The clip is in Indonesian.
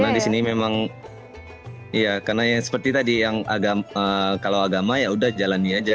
karena di sini memang karena seperti tadi kalau agama ya sudah jalannya saja